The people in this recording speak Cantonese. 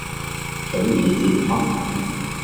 早已接洽。